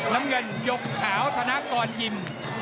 น้ำเงินยกขาวธนกรยิม